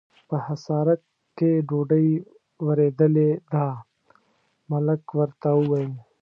په حصارک کې ډوډۍ ورېدلې ده، ملک ورته وویل.